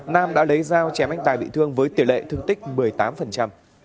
nam đã lấy dao chém anh tài bị thương với tỷ lệ thương tích một mươi tám